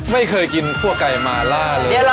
ไม่เคยกินคั่วไก่มาล่าเลย